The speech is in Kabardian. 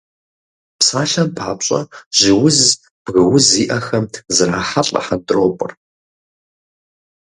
Псалъэм папщӏэ, жьы уз, бгы уз зиӏэхэм зрахьэлӏэ хьэнтӏропӏыр.